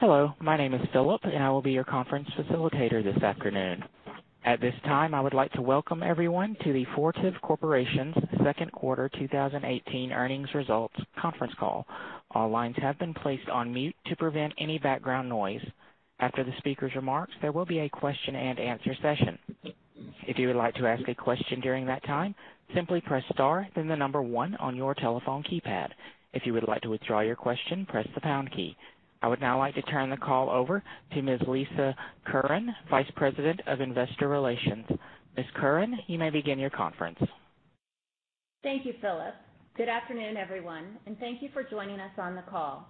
Hello, my name is Philip and I will be your conference facilitator this afternoon. At this time, I would like to welcome everyone to the Fortive Corporation's second quarter 2018 earnings results conference call. All lines have been placed on mute to prevent any background noise. After the speaker's remarks, there will be a question-and-answer session. If you would like to ask a question during that time, simply press star then the number one on your telephone keypad. If you would like to withdraw your question, press the pound key. I would now like to turn the call over to Ms. Lisa Curran, Vice President of Investor Relations. Ms. Curran, you may begin your conference. Thank you, Philip. Good afternoon, everyone, and thank you for joining us on the call.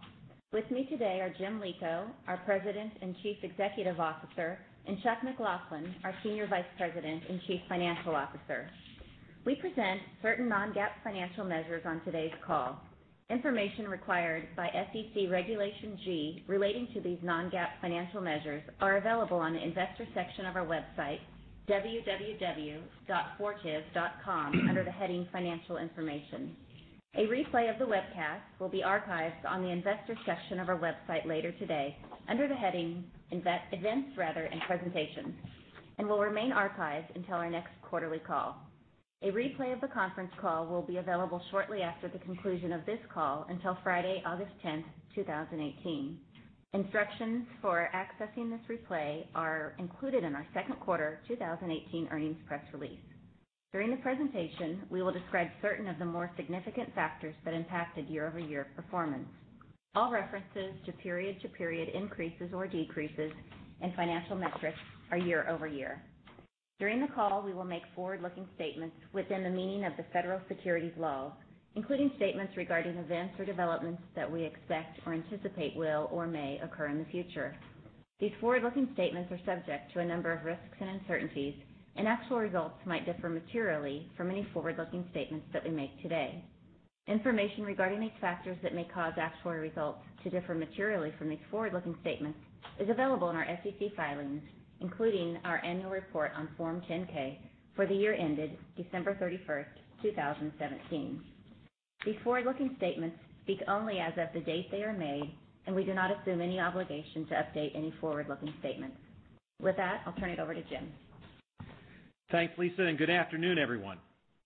With me today are Jim Lico, our President and Chief Executive Officer, and Chuck McLaughlin, our Senior Vice President and Chief Financial Officer. We present certain non-GAAP financial measures on today's call. Information required by SEC Regulation G relating to these non-GAAP financial measures are available on the investor section of our website, www.fortive.com, under the heading Financial Information. A replay of the webcast will be archived on the investor section of our website later today under the heading Events and Presentations and will remain archived until our next quarterly call. A replay of the conference call will be available shortly after the conclusion of this call until Friday, August 10th, 2018. Instructions for accessing this replay are included in our second quarter 2018 earnings press release. During the presentation, we will describe certain of the more significant factors that impacted year-over-year performance. All references to period-to-period increases or decreases in financial metrics are year-over-year. During the call, we will make forward-looking statements within the meaning of the federal securities law, including statements regarding events or developments that we expect or anticipate will or may occur in the future. These forward-looking statements are subject to a number of risks and uncertainties, and actual results might differ materially from any forward-looking statements that we make today. Information regarding these factors that may cause actual results to differ materially from these forward-looking statements is available in our SEC filings, including our annual report on Form 10-K for the year ended December 31st, 2017. These forward-looking statements speak only as of the date they are made, and we do not assume any obligation to update any forward-looking statements. With that, I'll turn it over to Jim. Thanks, Lisa, good afternoon, everyone.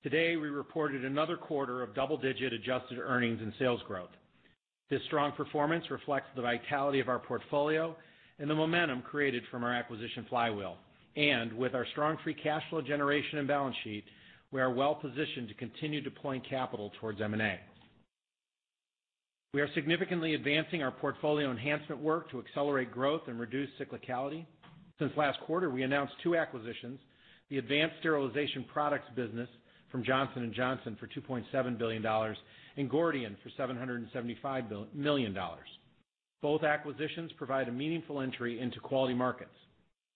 Today, we reported another quarter of double-digit adjusted earnings and sales growth. This strong performance reflects the vitality of our portfolio and the momentum created from our acquisition flywheel. With our strong free cash flow generation and balance sheet, we are well positioned to continue deploying capital towards M&A. We are significantly advancing our portfolio enhancement work to accelerate growth and reduce cyclicality. Since last quarter, we announced two acquisitions, the Advanced Sterilization Products business from Johnson & Johnson for $2.7 billion and Gordian for $775 million. Both acquisitions provide a meaningful entry into quality markets.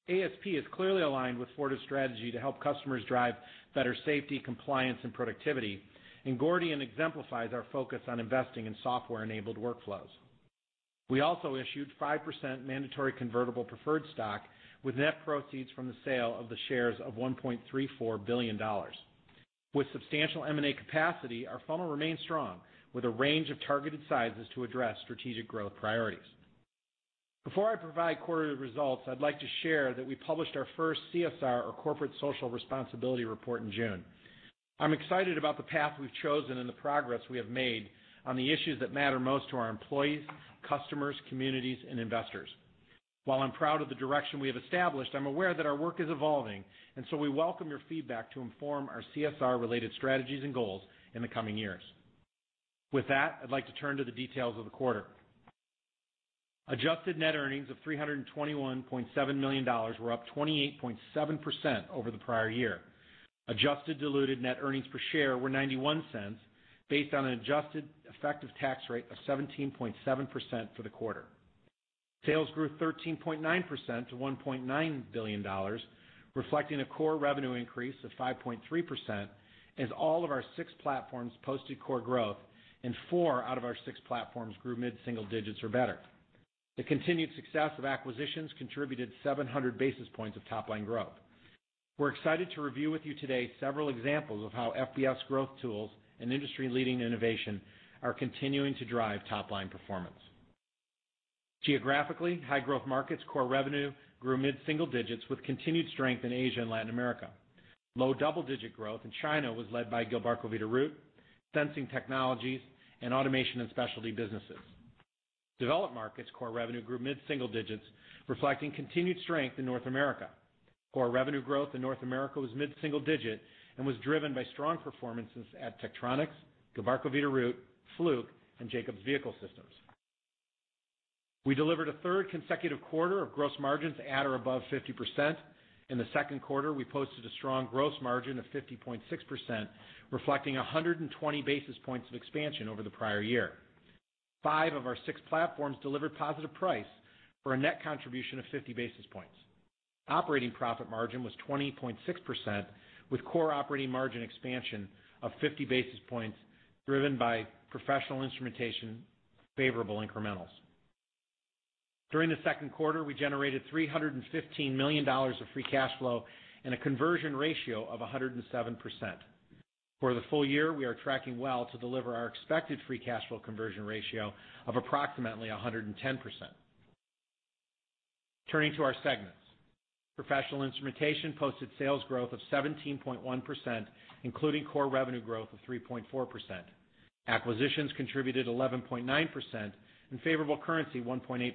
ASP is clearly aligned with Fortive's strategy to help customers drive better safety, compliance, and productivity. Gordian exemplifies our focus on investing in software-enabled workflows. We also issued 5% mandatory convertible preferred stock with net proceeds from the sale of the shares of $1.34 billion. With substantial M&A capacity, our funnel remains strong with a range of targeted sizes to address strategic growth priorities. Before I provide quarterly results, I'd like to share that we published our first CSR or corporate social responsibility report in June. I'm excited about the path we've chosen and the progress we have made on the issues that matter most to our employees, customers, communities, and investors. While I'm proud of the direction we have established, I'm aware that our work is evolving, we welcome your feedback to inform our CSR-related strategies and goals in the coming years. With that, I'd like to turn to the details of the quarter. Adjusted net earnings of $321.7 million were up 28.7% over the prior year. Adjusted diluted net earnings per share were $0.91 based on an adjusted effective tax rate of 17.7% for the quarter. Sales grew 13.9% to $1.9 billion, reflecting a core revenue increase of 5.3% as all of our six platforms posted core growth and four out of our six platforms grew mid-single digits or better. The continued success of acquisitions contributed 700 basis points of top-line growth. We're excited to review with you today several examples of how FBS growth tools and industry-leading innovation are continuing to drive top-line performance. Geographically, high-growth markets core revenue grew mid-single digits with continued strength in Asia and Latin America. Low double-digit growth in China was led by Gilbarco Veeder-Root, sensing technologies, and Automation & Specialty businesses. Developed markets core revenue grew mid-single digits, reflecting continued strength in North America. Core revenue growth in North America was mid-single digit and was driven by strong performances at Tektronix, Gilbarco Veeder-Root, Fluke, and Jacobs Vehicle Systems. We delivered a third consecutive quarter of gross margins at or above 50%. In the second quarter, we posted a strong gross margin of 50.6%, reflecting 120 basis points of expansion over the prior year. Five of our six platforms delivered positive price for a net contribution of 50 basis points. Operating profit margin was 20.6%, with core operating margin expansion of 50 basis points, driven by Professional Instrumentation favorable incrementals. During the second quarter, we generated $315 million of free cash flow and a conversion ratio of 107%. For the full year, we are tracking well to deliver our expected free cash flow conversion ratio of approximately 110%. Turning to our segments. Professional Instrumentation posted sales growth of 17.1%, including core revenue growth of 3.4%. Acquisitions contributed 11.9% and favorable currency 1.8%.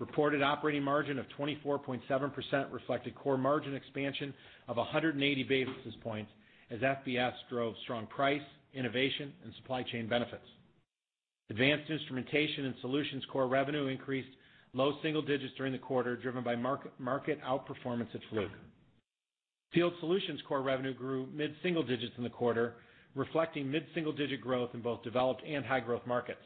Reported operating margin of 24.7% reflected core margin expansion of 180 basis points as FBS drove strong price, innovation, and supply chain benefits. Advanced instrumentation and solutions core revenue increased low single digits during the quarter, driven by market outperformance at Fluke. Field solutions core revenue grew mid-single digits in the quarter, reflecting mid-single digit growth in both developed and high-growth markets.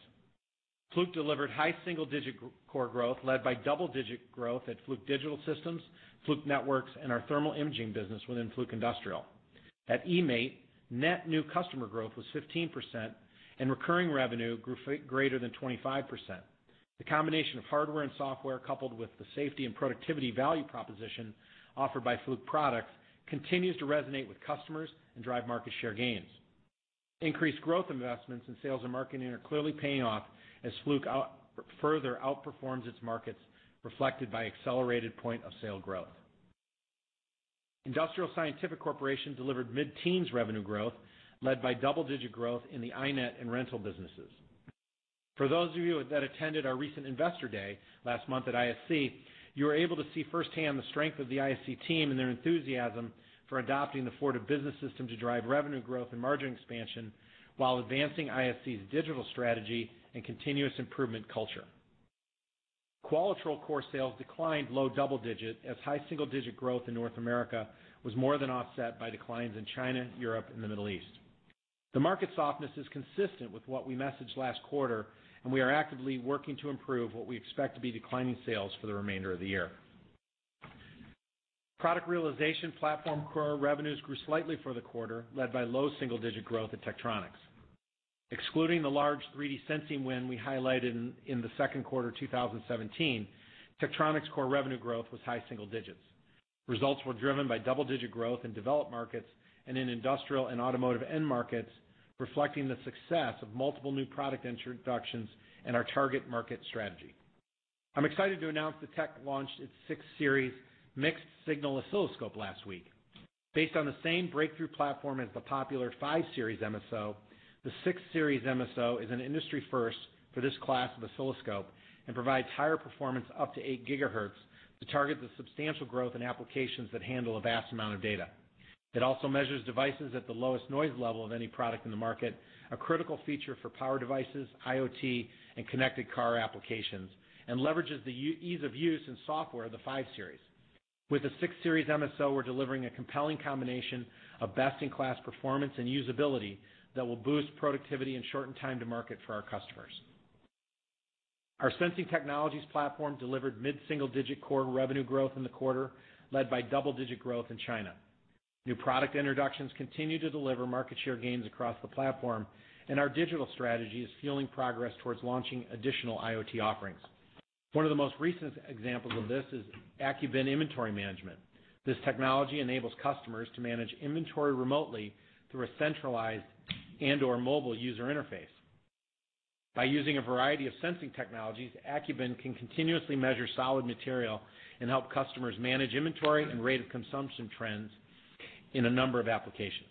Fluke delivered high single-digit core growth, led by double-digit growth at Fluke Digital Systems, Fluke Networks, and our thermal imaging business within Fluke Industrial. At eMaint, net new customer growth was 15% and recurring revenue grew greater than 25%. The combination of hardware and software, coupled with the safety and productivity value proposition offered by Fluke products, continues to resonate with customers and drive market share gains. Increased growth investments in sales and marketing are clearly paying off as Fluke further outperforms its markets, reflected by accelerated point-of-sale growth. Industrial Scientific Corporation delivered mid-teens revenue growth, led by double-digit growth in the iNet and rental businesses. For those of you that attended our recent investor day last month at ISC, you were able to see firsthand the strength of the ISC team and their enthusiasm for adopting the Fortive Business System to drive revenue growth and margin expansion, while advancing ISC's digital strategy and continuous improvement culture. Qualitrol core sales declined low double digits as high single-digit growth in North America was more than offset by declines in China, Europe, and the Middle East. The market softness is consistent with what we messaged last quarter. We are actively working to improve what we expect to be declining sales for the remainder of the year. Product realization platform core revenues grew slightly for the quarter, led by low double-digit growth at Tektronix. Excluding the large 3D sensing win we highlighted in the second quarter of 2017, Tektronix core revenue growth was high single digits. Results were driven by double-digit growth in developed markets and in industrial and automotive end markets, reflecting the success of multiple new product introductions and our target market strategy. I'm excited to announce that Tek launched its 6 Series mixed-signal oscilloscope last week. Based on the same breakthrough platform as the popular 5 Series MSO, the 6 Series MSO is an industry first for this class of oscilloscope and provides higher performance up to 8 gigahertz to target the substantial growth in applications that handle a vast amount of data. It also measures devices at the lowest noise level of any product in the market, a critical feature for power devices, IoT, and connected car applications. It leverages the ease of use and software of the 5 Series. With the 6 Series MSO, we're delivering a compelling combination of best-in-class performance and usability that will boost productivity and shorten time to market for our customers. Our sensing technologies platform delivered mid-single-digit core revenue growth in the quarter, led by double-digit growth in China. New product introductions continue to deliver market share gains across the platform. Our digital strategy is fueling progress towards launching additional IoT offerings. One of the most recent examples of this is Accubin inventory management. This technology enables customers to manage inventory remotely through a centralized and/or mobile user interface. By using a variety of sensing technologies, AccuBin can continuously measure solid material and help customers manage inventory and rate of consumption trends in a number of applications.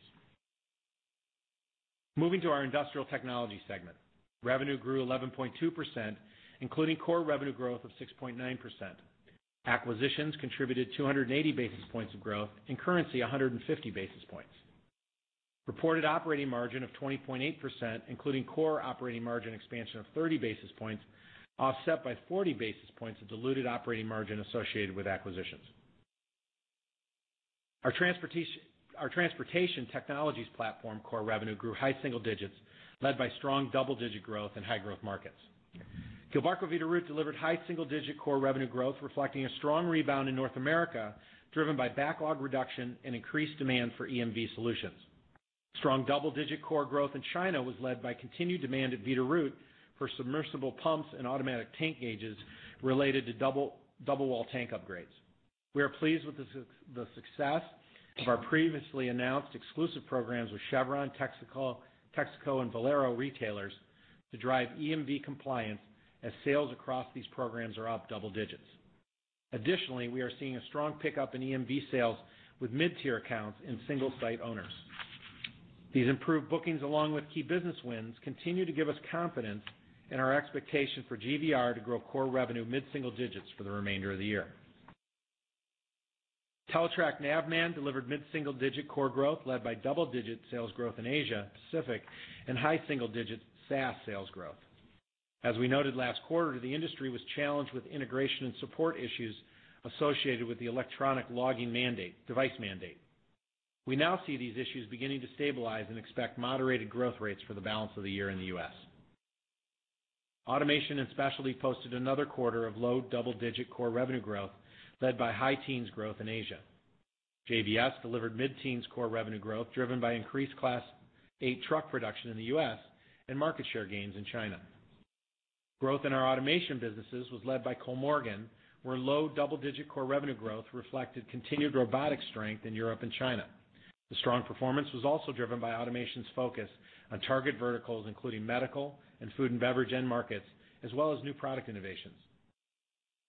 Moving to our Industrial Technology segment, revenue grew 11.2%, including core revenue growth of 6.9%. Acquisitions contributed 280 basis points of growth and currency 150 basis points. Reported operating margin of 20.8%, including core operating margin expansion of 30 basis points, offset by 40 basis points of diluted operating margin associated with acquisitions. Our Transportation Technologies platform core revenue grew high single digits, led by strong double-digit growth in high-growth markets. Gilbarco Veeder-Root delivered high single-digit core revenue growth, reflecting a strong rebound in North America, driven by backlog reduction and increased demand for EMV solutions. Strong double-digit core growth in China was led by continued demand at Veeder-Root for submersible pumps and automatic tank gauges related to double wall tank upgrades. We are pleased with the success of our previously announced exclusive programs with Chevron, Texaco, and Valero retailers to drive EMV compliance as sales across these programs are up double digits. Additionally, we are seeing a strong pickup in EMV sales with mid-tier accounts and single-site owners. These improved bookings, along with key business wins, continue to give us confidence in our expectation for GVR to grow core revenue mid-single digits for the remainder of the year. Teletrac Navman delivered mid-single digit core growth, led by double-digit sales growth in Asia Pacific and high single-digit SaaS sales growth. As we noted last quarter, the industry was challenged with integration and support issues associated with the Electronic Logging Device mandate. We now see these issues beginning to stabilize and expect moderated growth rates for the balance of the year in the U.S. Automation and Specialty posted another quarter of low double-digit core revenue growth, led by high teens growth in Asia. JVS delivered mid-teens core revenue growth driven by increased Class 8 truck production in the U.S. and market share gains in China. Growth in our automation businesses was led by Kollmorgen, where low double-digit core revenue growth reflected continued robotic strength in Europe and China. The strong performance was also driven by automation's focus on target verticals, including medical and food and beverage end markets, as well as new product innovations.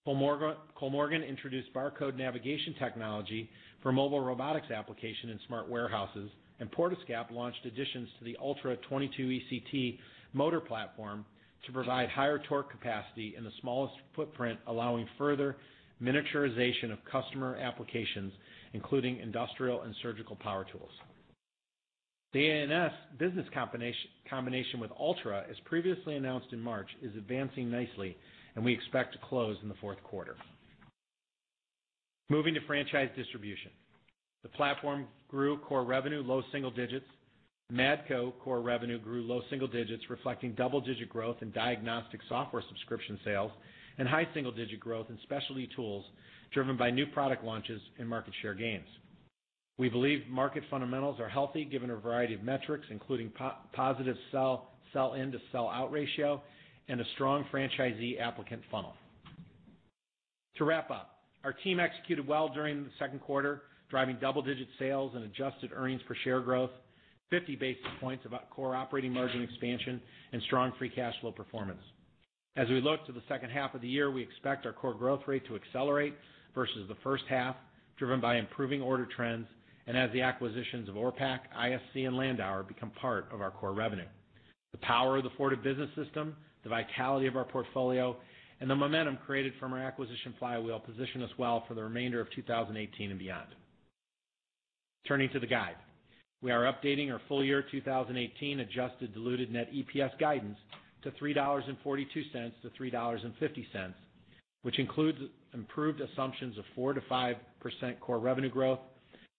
Kollmorgen introduced barcode navigation technology for mobile robotics application in smart warehouses, and Portescap launched additions to the Ultra EC 22ECT motor platform to provide higher torque capacity in the smallest footprint, allowing further miniaturization of customer applications, including industrial and surgical power tools. The A&S business combination with Altra, as previously announced in March, is advancing nicely, and we expect to close in the fourth quarter. Moving to Franchise Distribution, the platform grew core revenue low single digits. Matco core revenue grew low single digits, reflecting double-digit growth in diagnostic software subscription sales and high single-digit growth in specialty tools driven by new product launches and market share gains. We believe market fundamentals are healthy given a variety of metrics, including positive sell-in-to-sell-out ratio and a strong franchisee applicant funnel. To wrap up, our team executed well during the second quarter, driving double-digit sales and adjusted earnings per share growth, 50 basis points of core operating margin expansion, and strong free cash flow performance. As we look to the second half of the year, we expect our core growth rate to accelerate versus the first half, driven by improving order trends and as the acquisitions of Orpak, ISC, and Landauer become part of our core revenue. The power of the Fortive Business System, the vitality of our portfolio, and the momentum created from our acquisition flywheel position us well for the remainder of 2018 and beyond. Turning to the guide. We are updating our full year 2018 adjusted diluted net EPS guidance to $3.42-$3.50, which includes improved assumptions of 4%-5% core revenue growth,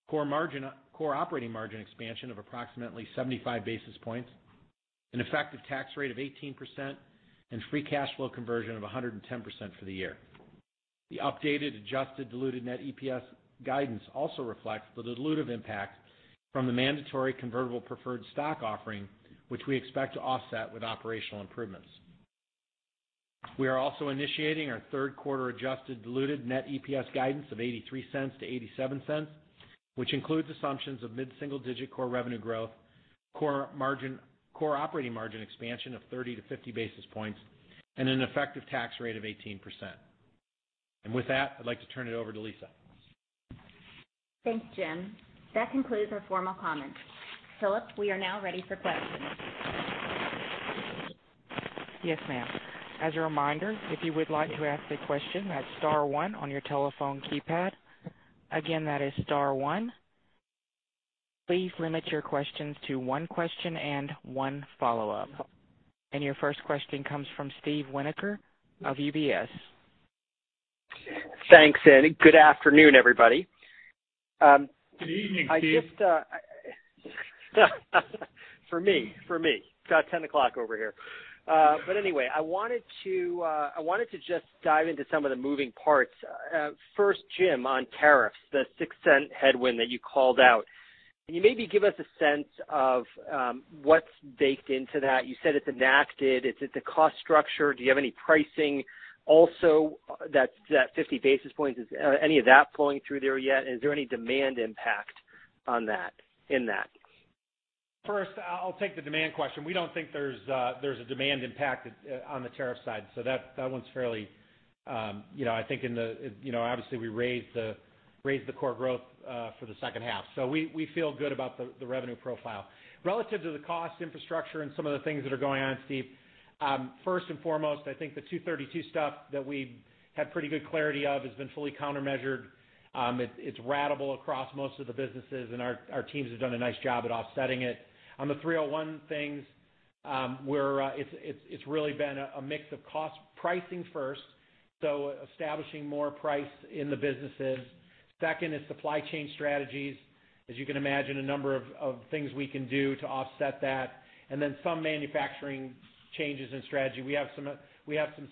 core operating margin expansion of approximately 75 basis points, an effective tax rate of 18%, and free cash flow conversion of 110% for the year. The updated adjusted diluted net EPS guidance also reflects the dilutive impact from the mandatory convertible preferred stock offering, which we expect to offset with operational improvements. We are also initiating our third quarter adjusted diluted net EPS guidance of $0.83-$0.87, which includes assumptions of mid-single digit core revenue growth, core operating margin expansion of 30-50 basis points, and an effective tax rate of 18%. With that, I'd like to turn it over to Lisa. Thanks, Jim. That concludes our formal comments. Philip, we are now ready for questions. Yes, ma'am. As a reminder, if you would like to ask a question, that's star one on your telephone keypad. Again, that is star one. Please limit your questions to one question and one follow-up. Your first question comes from Steve Winoker of UBS. Thanks, good afternoon, everybody. Good evening, Steve. For me. It's 10:00 over here. Anyway, I wanted to just dive into some of the moving parts. First, Jim, on tariffs, the $0.06 headwind that you called out. Can you maybe give us a sense of what's baked into that? You said it's enacted. Is it the cost structure? Do you have any pricing? Also, that 50 basis points, is any of that flowing through there yet? Is there any demand impact in that? First, I'll take the demand question. We don't think there's a demand impact on the tariff side. That one's fairly. Obviously, we raised the core growth for the second half. We feel good about the revenue profile. Relative to the cost infrastructure and some of the things that are going on, Steve, first and foremost, I think the 232 stuff that we had pretty good clarity of has been fully countermeasured. It's ratable across most of the businesses, and our teams have done a nice job at offsetting it. On the 301 things, it's really been a mix of pricing first, so establishing more price in the businesses. Second is supply chain strategies. As you can imagine, a number of things we can do to offset that. Then some manufacturing changes in strategy. We have some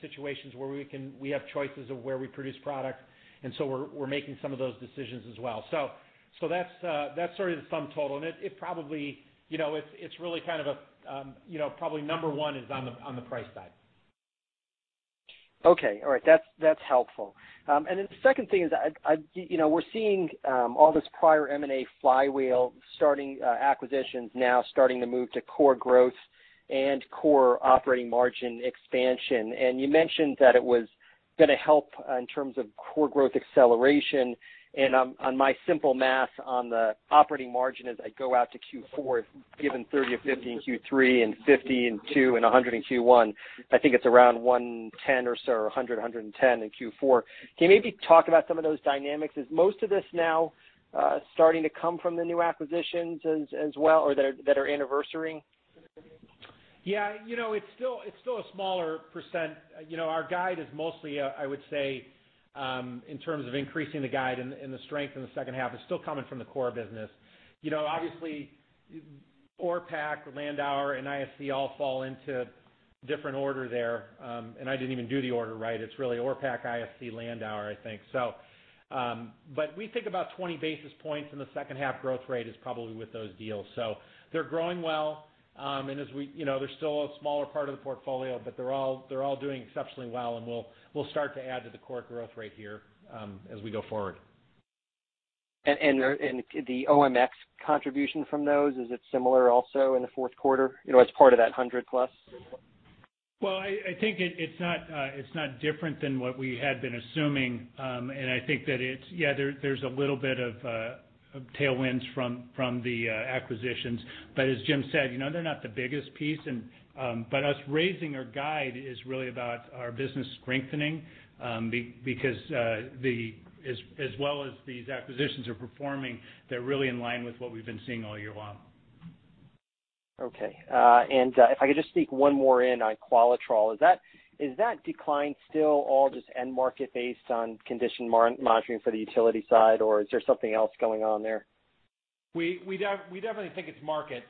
situations where we have choices of where we produce product. We're making some of those decisions as well. That's sort of the sum total. It's really kind of probably number one is on the price side. Okay. All right. That's helpful. The second thing is we're seeing all this prior M&A flywheel starting acquisitions now starting to move to core growth and core operating margin expansion. You mentioned that it was going to help in terms of core growth acceleration. On my simple math on the operating margin, as I go out to Q4, given 30-50 in Q3 and 50 in two and 100 in Q1, I think it's around 110 or so, 100-110 in Q4. Can you maybe talk about some of those dynamics? Is most of this now starting to come from the new acquisitions as well, or that are anniversarying? It's still a smaller percent. Our guide is mostly, I would say, in terms of increasing the guide and the strength in the second half, is still coming from the core business. Obviously, Orpak, Landauer, and ISC all fall into Different order there. I didn't even do the order right. It's really Orpak, ISC, Landauer, I think. We think about 20 basis points in the second half growth rate is probably with those deals. They're growing well, and they're still a smaller part of the portfolio, but they're all doing exceptionally well, and we'll start to add to the core growth rate here as we go forward. The OMX contribution from those, is it similar also in the fourth quarter, as part of that 100-plus? I think it's not different than what we had been assuming. I think that there's a little bit of tailwinds from the acquisitions. As Jim said, they're not the biggest piece. Us raising our guide is really about our business strengthening, because as well as these acquisitions are performing, they're really in line with what we've been seeing all year long. Okay. If I could just sneak one more in on Qualitrol. Is that decline still all just end market based on condition monitoring for the utility side, or is there something else going on there? We definitely think it's market.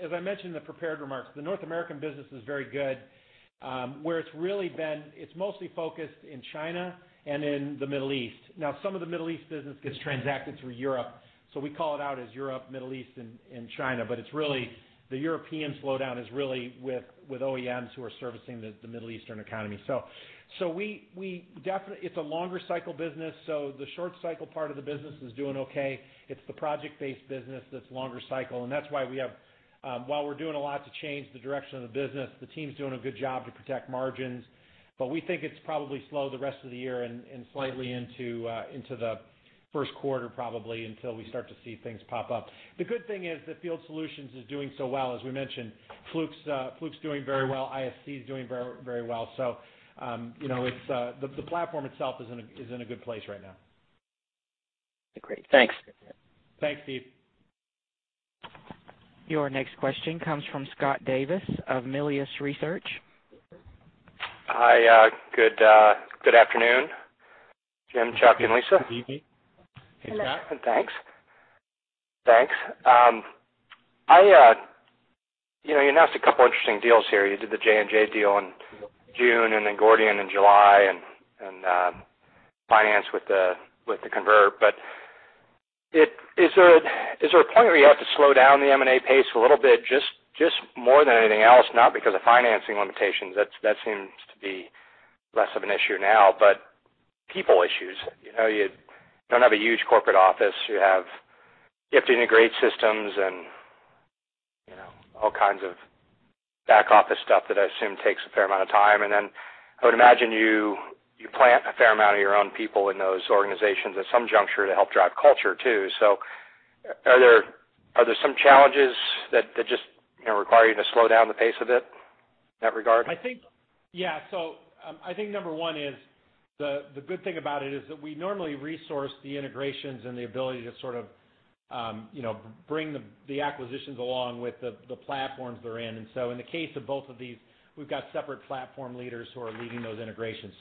As I mentioned in the prepared remarks, the North American business is very good. Where it's really been, it's mostly focused in China and in the Middle East. Some of the Middle East business gets transacted through Europe, so we call it out as Europe, Middle East, and China. The European slowdown is really with OEMs who are servicing the Middle Eastern economy. It's a longer cycle business, so the short cycle part of the business is doing okay. It's the project-based business that's longer cycle, that's why while we're doing a lot to change the direction of the business, the team's doing a good job to protect margins. We think it's probably slow the rest of the year and slightly into the first quarter, probably, until we start to see things pop up. The good thing is that Field Solutions is doing so well. As we mentioned, Fluke's doing very well, ISC is doing very well. The platform itself is in a good place right now. Great. Thanks. Thanks, Steve. Your next question comes from Scott Davis of Melius Research. Hi, good afternoon, Jim, Chuck, and Lisa. Good evening. Hey, Scott. Thanks. You announced a couple interesting deals here. You did the J&J deal in June and then Gordian in July, and financed with the convert. Is there a point where you have to slow down the M&A pace a little bit, just more than anything else, not because of financing limitations, that seems to be less of an issue now, but people issues? You don't have a huge corporate office. You have to integrate systems and all kinds of back office stuff that I assume takes a fair amount of time. I would imagine you plant a fair amount of your own people in those organizations at some juncture to help drive culture, too. Are there some challenges that just require you to slow down the pace a bit in that regard? Yeah. I think number 1 is, the good thing about it is that we normally resource the integrations and the ability to sort of bring the acquisitions along with the platforms they're in. In the case of both of these, we've got separate platform leaders who are leading those integrations.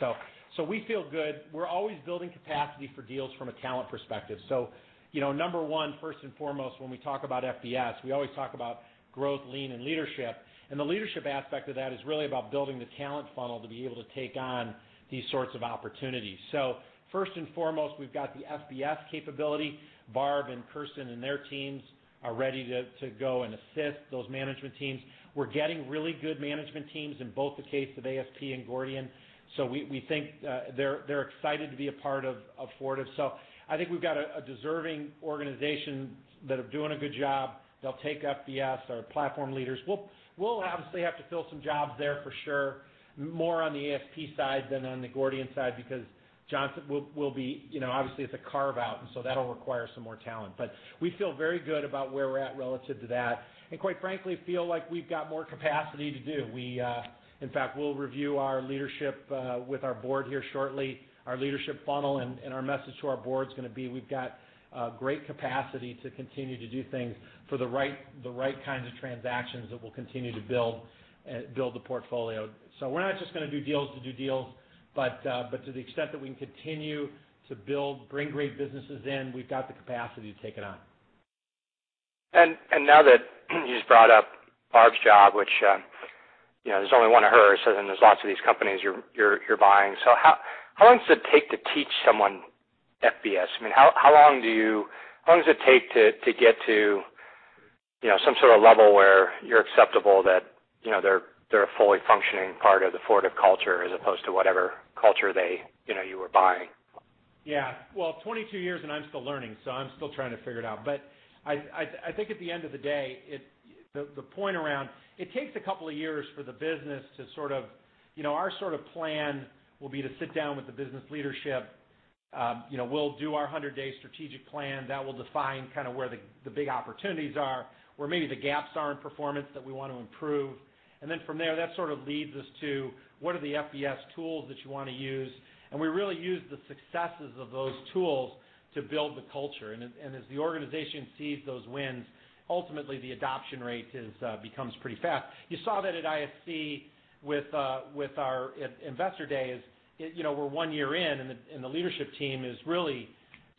We feel good. We're always building capacity for deals from a talent perspective. Number 1, first and foremost, when we talk about FBS, we always talk about growth, lean, and leadership. The leadership aspect of that is really about building the talent funnel to be able to take on these sorts of opportunities. First and foremost, we've got the FBS capability. Barb and Kirsten and their teams are ready to go and assist those management teams. We're getting really good management teams in both the case of ASP and Gordian. We think they're excited to be a part of Fortive. I think we've got a deserving organization that are doing a good job. They'll take FBS, our platform leaders. We'll obviously have to fill some jobs there for sure, more on the ASP side than on the Gordian side, because Johnson will be, obviously it's a carve-out, and so that'll require some more talent. We feel very good about where we're at relative to that. Quite frankly, feel like we've got more capacity to do. In fact, we'll review our leadership with our board here shortly, our leadership funnel, and our message to our board's going to be, we've got great capacity to continue to do things for the right kinds of transactions that will continue to build the portfolio. We're not just going to do deals to do deals, to the extent that we can continue to build, bring great businesses in, we've got the capacity to take it on. Now that you've brought up Barb's job, which there's only one of her, there's lots of these companies you're buying. How long does it take to teach someone FBS? How long does it take to get to some sort of level where you're acceptable that they're a fully functioning part of the Fortive culture as opposed to whatever culture you were buying? Well, 22 years and I'm still learning, I'm still trying to figure it out. I think at the end of the day, the point around, it takes a couple of years for the business. Our sort of plan will be to sit down with the business leadership. We'll do our 100-day strategic plan. That will define kind of where the big opportunities are, where maybe the gaps are in performance that we want to improve. From there, that sort of leads us to what are the FBS tools that you want to use? We really use the successes of those tools to build the culture. As the organization sees those wins, ultimately the adoption rate becomes pretty fast. You saw that at ISC with our investor day is, we're one year in, and the leadership team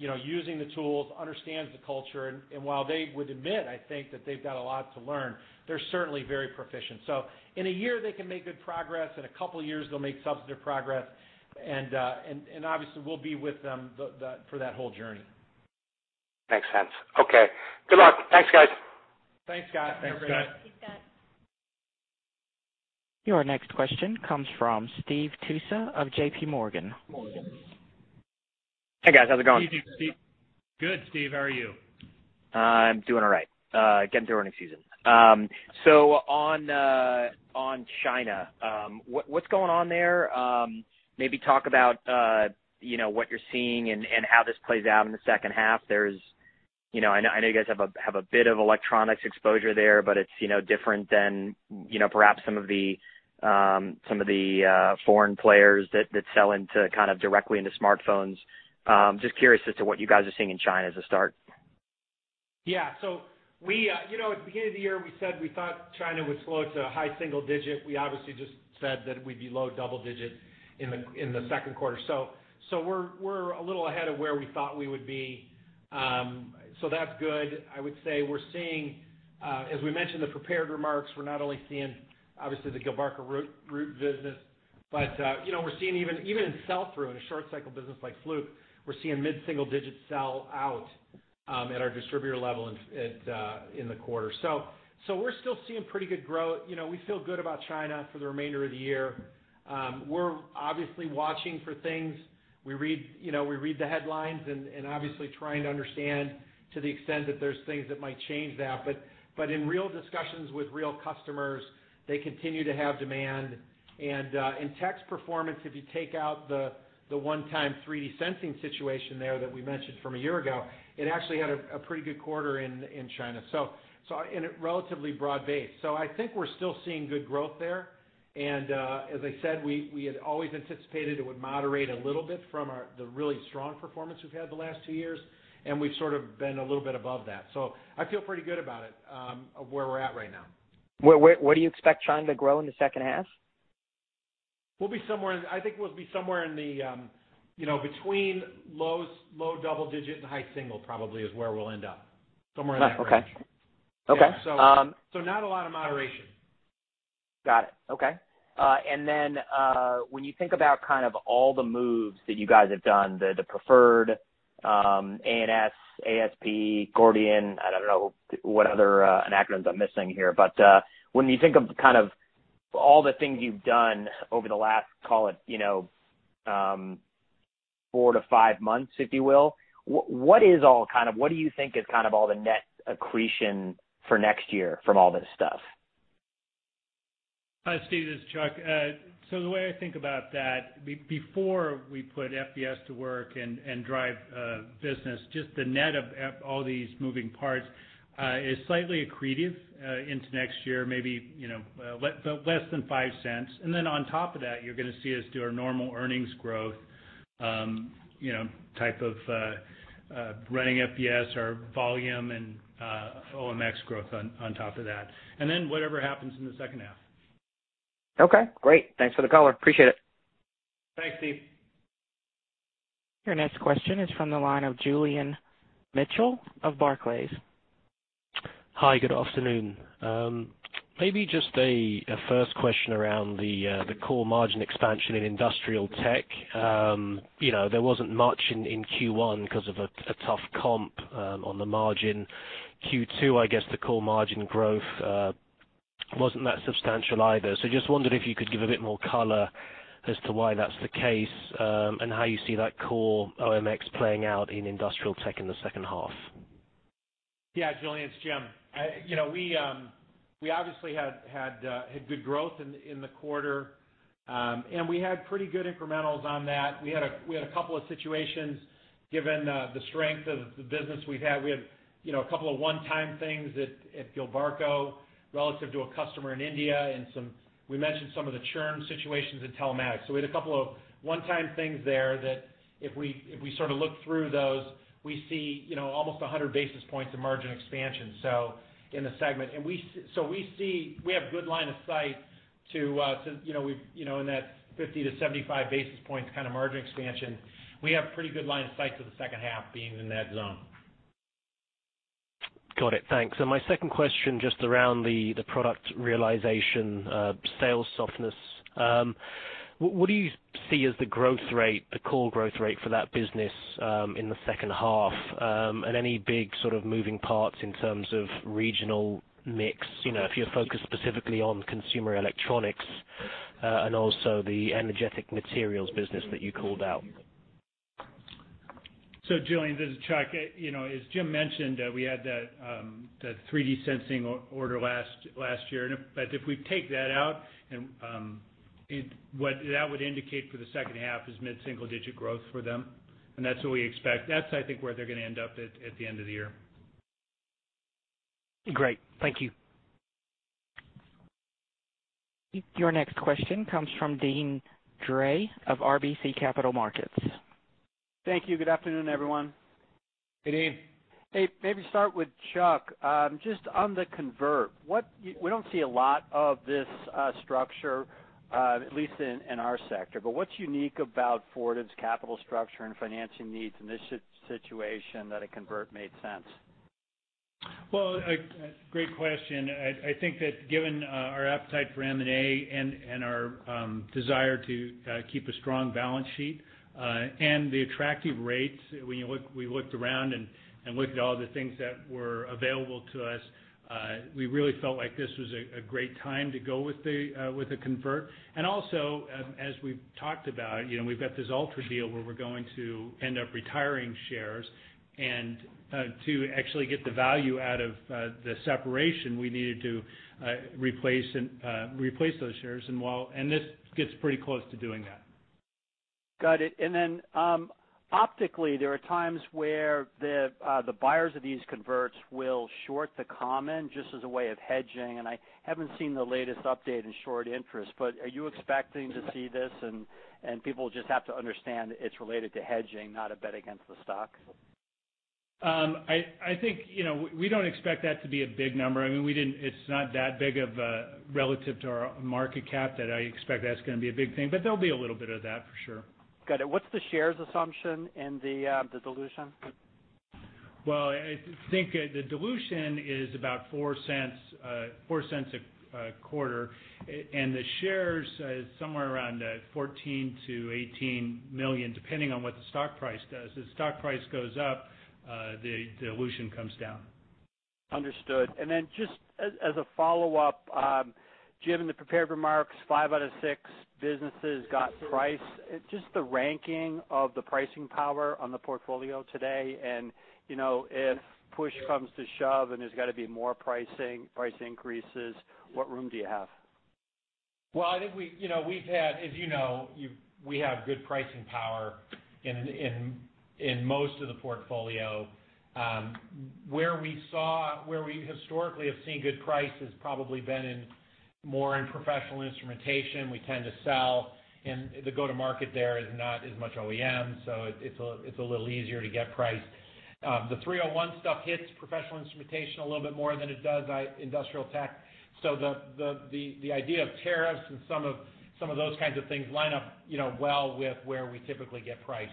is really using the tools, understands the culture, and while they would admit, I think, that they've got a lot to learn, they're certainly very proficient. In a year they can make good progress. In a couple of years, they'll make substantive progress. Obviously, we'll be with them for that whole journey. Makes sense. Okay. Good luck. Thanks, guys. Thanks, Scott. Thanks, Scott. Thanks, Scott. Your next question comes from Steve Tusa of JPMorgan. Hey, guys. How's it going? How are you doing, Steve? Good, Steve. How are you? I'm doing all right. Getting through earnings season. On China, what's going on there? Maybe talk about what you're seeing and how this plays out in the second half. I know you guys have a bit of electronics exposure there, but it's different than perhaps some of the foreign players that sell into kind of directly into smartphones. Just curious as to what you guys are seeing in China as a start. At the beginning of the year we said we thought China would slow to high single-digit. We obviously just said that we'd be low double-digit in the second quarter. We're a little ahead of where we thought we would be. That's good. I would say we're seeing, as we mentioned in the prepared remarks, we're not only seeing, obviously, the Gilbarco Veeder-Root business, but we're seeing even in sell-through, in a short cycle business like Fluke, we're seeing mid-single-digit sell-out at our distributor level in the quarter. We're still seeing pretty good growth. We feel good about China for the remainder of the year. We're obviously watching for things. We read the headlines and obviously trying to understand to the extent that there's things that might change that. In real discussions with real customers, they continue to have demand. In Tek's performance, if you take out the one-time 3D sensing situation there that we mentioned from a year ago, it actually had a pretty good quarter in China. A relatively broad-based. I think we're still seeing good growth there, and, as I said, we had always anticipated it would moderate a little bit from the really strong performance we've had the last two years, and we've sort of been a little bit above that. I feel pretty good about it, where we're at right now. Where do you expect China to grow in the second half? I think we'll be somewhere between low double-digit and high single-digit probably is where we'll end up. Somewhere in that range. Okay. Yeah. Not a lot of moderation. Got it. Okay. When you think about kind of all the moves that you guys have done, the Preferred, A&S, ASP, Gordian, I don't know what other acronyms I'm missing here, but when you think of kind of all the things you've done over the last, call it, 4 to 5 months, if you will, what do you think is kind of all the net accretion for next year from all this stuff? Hi, Steve, this is Chuck. The way I think about that, before we put FBS to work and drive business, just the net of all these moving parts, is slightly accretive into next year, maybe less than $0.05. On top of that, you're going to see us do our normal earnings growth type of running FBS or volume and OMX growth on top of that. Whatever happens in the second half. Okay, great. Thanks for the call. Appreciate it. Thanks, Steve. Your next question is from the line of Julian Mitchell of Barclays. Hi. Good afternoon. My first question around the core margin expansion in Industrial Tech. There wasn't much in Q1 because of a tough comp on the margin. Q2, I guess the core margin growth wasn't that substantial either. Just wondered if you could give a bit more color as to why that's the case, and how you see that core OMX playing out in Industrial Tech in the second half. Yeah, Julian, it's Jim. We obviously had good growth in the quarter, and we had pretty good incrementals on that. We had a couple of situations given the strength of the business we've had. We had a couple of one-time things at Gilbarco relative to a customer in India, and we mentioned some of the churn situations in Telematics. We had a couple of one-time things there that if we sort of look through those, we see almost 100 basis points of margin expansion in the segment. We have good line of sight to, in that 50-75 basis points kind of margin expansion. We have pretty good line of sight to the second half being in that zone. Got it. Thanks. My second question, just around the product realization sales softness. What do you see as the growth rate, the core growth rate for that business in the second half? Any big sort of moving parts in terms of regional mix, if you're focused specifically on consumer electronics, and also the energetic materials business that you called out? Julian, this is Chuck. As Jim mentioned, we had the 3D sensing order last year, but if we take that out, what that would indicate for the second half is mid-single digit growth for them, and that's what we expect. That's, I think, where they're going to end up at the end of the year. Great. Thank you. Your next question comes from Deane Dray of RBC Capital Markets. Thank you. Good afternoon, everyone. Good evening. Hey. Maybe start with Chuck. Just on the convert, we don't see a lot of this structure, at least in our sector. What's unique about Fortive's capital structure and financing needs in this situation that a convert made sense? Well, great question. I think that given our appetite for M&A and our desire to keep a strong balance sheet, and the attractive rates, we looked around and looked at all the things that were available to us. We really felt like this was a great time to go with a convert. Also, as we've talked about, we've got this Altra deal where we're going to end up retiring shares. To actually get the value out of the separation, we needed to replace those shares, and this gets pretty close to doing that. Got it. Optically, there are times where the buyers of these converts will short the common just as a way of hedging, and I haven't seen the latest update in short interest. Are you expecting to see this, and people just have to understand it's related to hedging, not a bet against the stock? I think we don't expect that to be a big number. It's not that big relative to our market cap that I expect that's going to be a big thing, there'll be a little bit of that, for sure. Got it. What's the shares assumption in the dilution? Well, I think the dilution is about $0.04 a quarter, and the shares is somewhere around 14 million-18 million, depending on what the stock price does. As stock price goes up, the dilution comes down. Just as a follow-up, Jim, in the prepared remarks, five out of six businesses got price. Just the ranking of the pricing power on the portfolio today and, if push comes to shove and there's got to be more price increases, what room do you have? Well, I think as you know, we have good pricing power in most of the portfolio. Where we historically have seen good price has probably been more in professional instrumentation. We tend to sell, and the go-to-market there is not as much OEM, so it's a little easier to get price. The Section 301 stuff hits professional instrumentation a little bit more than it does industrial tech. The idea of tariffs and some of those kinds of things line up well with where we typically get price.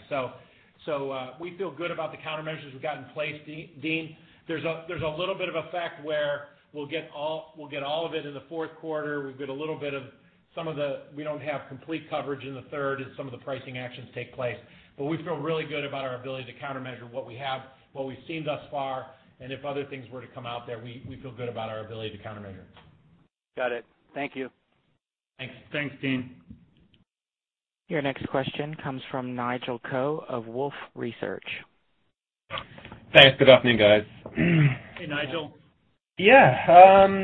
We feel good about the countermeasures we've got in place, Deane. There's a little bit of effect where we'll get all of it in the fourth quarter. We don't have complete coverage in the third as some of the pricing actions take place. We feel really good about our ability to countermeasure what we have, what we've seen thus far, and if other things were to come out there, we feel good about our ability to countermeasure. Got it. Thank you. Thanks, Deane. Your next question comes from Nigel Coe of Wolfe Research. Thanks. Good afternoon, guys. Hey, Nigel. Yeah.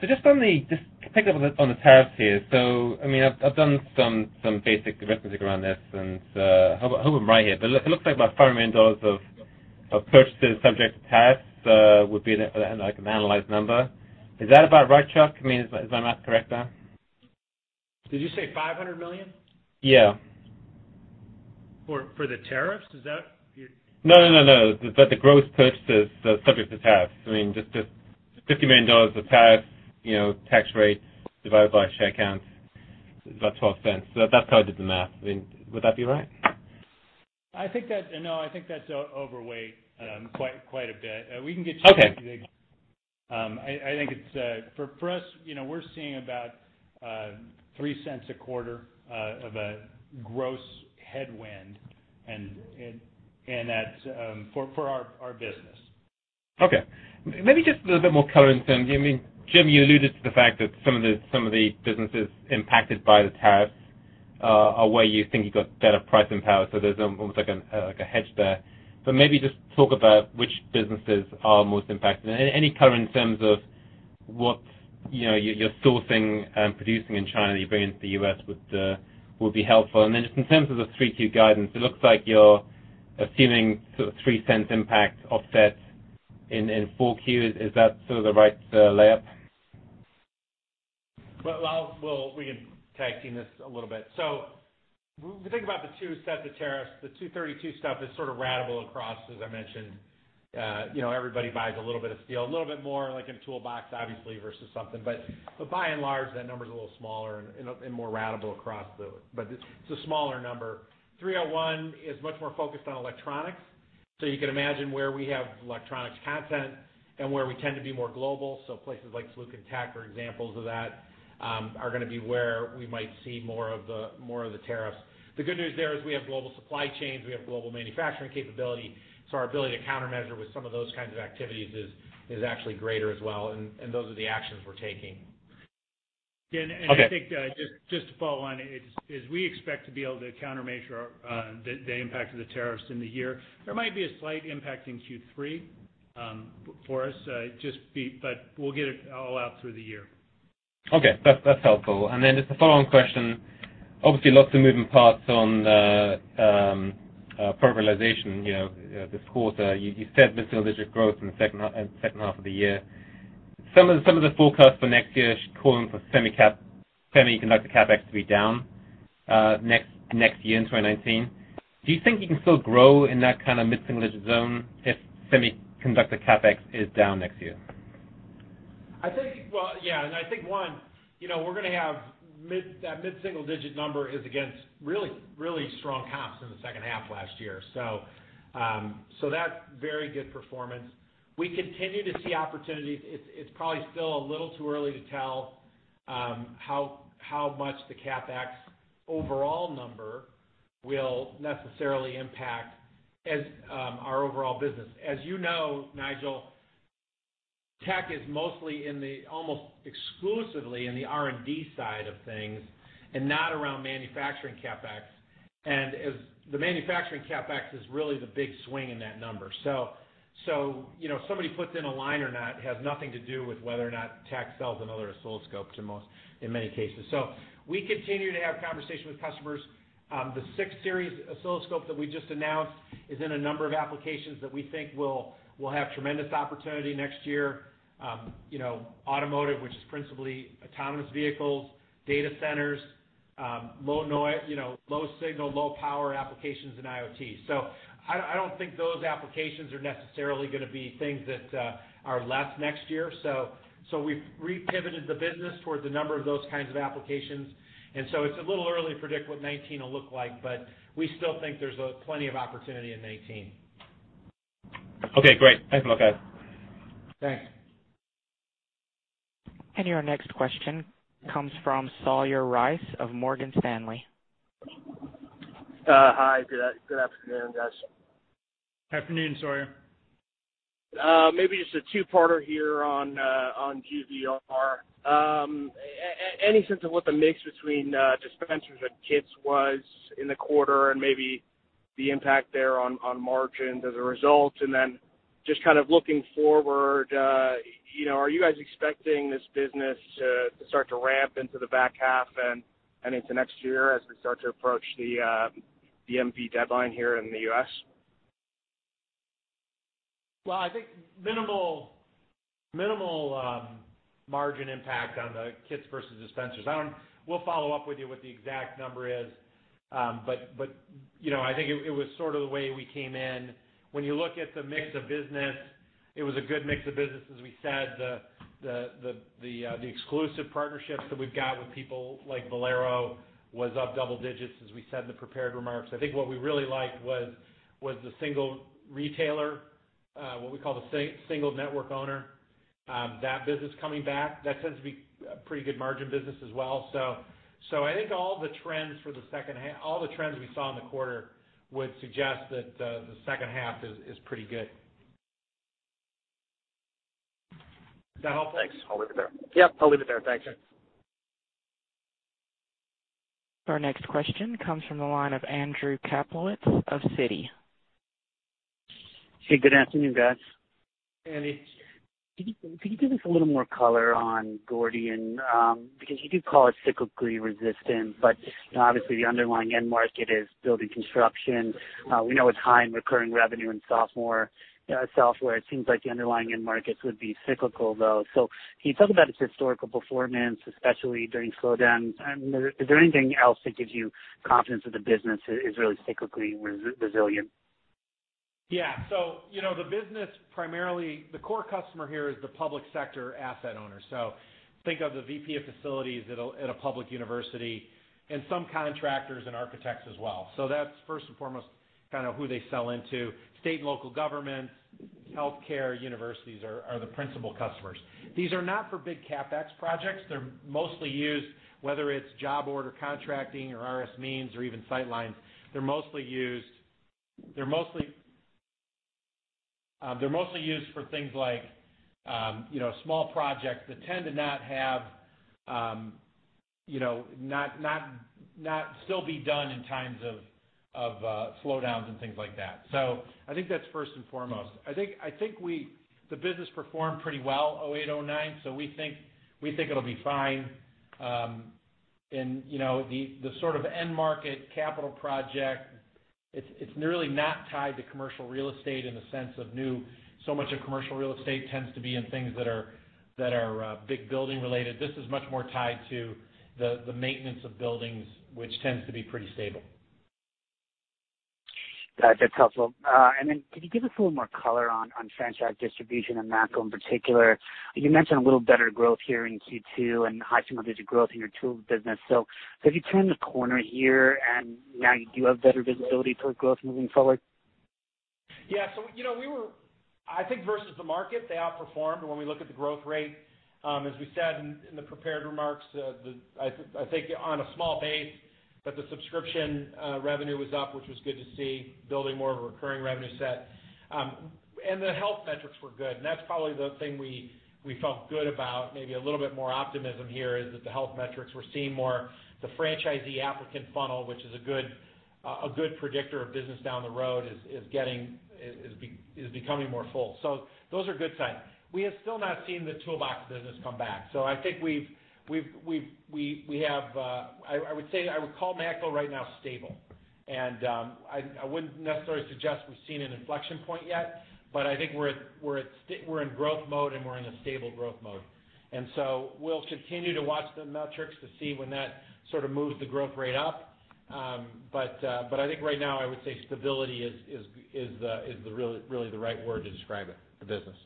Just to pick up on the tariffs here. I've done some basic arithmetic around this, and I hope I'm right here, but it looks like about $500 million of purchases subject to tariffs would be anannualized number. Is that about right, Chuck? Is my math correct there? Did you say $500 million? Yeah. For the tariffs? Is that your- No, no. The gross purchases subject to tariffs, just $50 million of tariffs, tax rate divided by share counts is about $0.12. That's how I did the math. Would that be right? No, I think that's overweight quite a bit. We can get you- Okay the exact. For us, we're seeing about $0.03 a quarter of a gross headwind, and that's for our business. Okay. Maybe just a little bit more color in terms. Jim, you alluded to the fact that some of the businesses impacted by the tariffs are where you think you've got better pricing power, so there's almost like a hedge there. Maybe just talk about which businesses are most impacted. Any color in terms of what you're sourcing and producing in China that you bring into the U.S. would be helpful. Then just in terms of the 3Q guidance, it looks like you're assuming sort of $0.03 impact offset in full Q. Is that sort of the right layup? Well, we can tag team this a little bit. When we think about the two sets of tariffs, the 232 stuff is sort of ratable across, as I mentioned. Everybody buys a little bit of steel, a little bit more like in a toolbox, obviously, versus something. By and large, that number's a little smaller and more ratable. It's a smaller number. 301 is much more focused on electronics. You can imagine where we have electronics content and where we tend to be more global. Places like Fluke and Tek, for examples of that, are going to be where we might see more of the tariffs. The good news there is we have global supply chains, we have global manufacturing capability. Our ability to countermeasure with some of those kinds of activities is actually greater as well, and those are the actions we're taking. Okay. I think just to follow on, is we expect to be able to countermeasure the impact of the tariffs in the year. There might be a slight impact in Q3 for us. We'll get it all out through the year. Okay. That's helpful. Just a follow-on question. Obviously, lots of moving parts on the utilization this quarter. You said mid-single-digit growth in the second half of the year. Some of the forecasts for next year calling for semiconductor CapEx to be down next year in 2019. Do you think you can still grow in that kind of mid-single-digit zone if semiconductor CapEx is down next year? Yeah. I think one, that mid-single-digit number is against really strong comps in the second half last year. That's very good performance. We continue to see opportunities. It's probably still a little too early to tell how much the CapEx overall number will necessarily impact our overall business. As you know, Nigel, Tek is mostly almost exclusively in the R&D side of things and not around manufacturing CapEx. As the manufacturing CapEx is really the big swing in that number. Somebody puts in a line or not, has nothing to do with whether or not Tek sells another oscilloscope in many cases. We continue to have conversations with customers. The 6 Series oscilloscope that we just announced is in a number of applications that we think will have tremendous opportunity next year. Automotive, which is principally autonomous vehicles, data centers, low signal, low power applications in IoT. I don't think those applications are necessarily going to be things that are less next year. We've repivoted the business towards a number of those kinds of applications. It's a little early to predict what 2019 will look like, but we still think there's plenty of opportunity in 2019. Okay, great. Thanks, Chuck. Thanks. Your next question comes from Sawyer Rice of Morgan Stanley. Hi, good afternoon, guys. Afternoon, Sawyer. Maybe just a two-parter here on GVR. Any sense of what the mix between dispensers and kits was in the quarter and maybe the impact there on margins as a result? Then just kind of looking forward, are you guys expecting this business to start to ramp into the back half and into next year as we start to approach the EMV deadline here in the U.S.? I think minimal margin impact on the kits versus dispensers. We'll follow up with you what the exact number is. I think it was sort of the way we came in. When you look at the mix of business, it was a good mix of business. As we said, the exclusive partnerships that we've got with people like Valero was up double digits, as we said in the prepared remarks. I think what we really liked was the single retailer, what we call the single network owner, that business coming back. That tends to be a pretty good margin business as well. I think all the trends we saw in the quarter would suggest that the second half is pretty good. Is that helpful? Thanks. I'll leave it there. Yep, I'll leave it there. Thanks. Sure. Our next question comes from the line of Andrew Kaplowitz of Citi. Hey, good afternoon, guys. Hey, Andy. Can you give us a little more color on Gordian? You do call it cyclically resistant, but obviously the underlying end market is building construction. We know it's high in recurring revenue and software. It seems like the underlying end markets would be cyclical, though. Can you talk about its historical performance, especially during slowdowns, and is there anything else that gives you confidence that the business is really cyclically resilient? Yeah. The core customer here is the public sector asset owner. Think of the VP of facilities at a public university and some contractors and architects as well. That's first and foremost kind of who they sell into. State and local governments, healthcare, universities are the principal customers. These are not for big CapEx projects. They're mostly used, whether it's job order contracting or RSMeans or even Sightlines. They're mostly used for things like small projects that tend to not still be done in times of slowdowns and things like that. I think that's first and foremost. I think the business performed pretty well 2008, 2009, we think it'll be fine. The sort of end market capital project, it's really not tied to commercial real estate in the sense of new. Much of commercial real estate tends to be in things that are big building related. This is much more tied to the maintenance of buildings, which tends to be pretty stable. Got it. That's helpful. Then can you give us a little more color on Franchise Distribution and Matco in particular? You mentioned a little better growth here in Q2 and high single-digit growth in your tools business. Have you turned the corner here and now you do have better visibility toward growth moving forward? Yeah. I think versus the market, they outperformed when we look at the growth rate. As we said in the prepared remarks, I think on a small base that the subscription revenue was up, which was good to see, building more of a recurring revenue set. The health metrics were good, and that's probably the thing we felt good about, maybe a little bit more optimism here, is that the health metrics we're seeing more the franchisee applicant funnel, which is a good predictor of business down the road, is becoming more full. Those are good signs. We have still not seen the toolbox business come back. I would call Matco right now stable, and I wouldn't necessarily suggest we've seen an inflection point yet, but I think we're in growth mode and we're in a stable growth mode. We'll continue to watch the metrics to see when that sort of moves the growth rate up. I think right now I would say stability is really the right word to describe it, the business.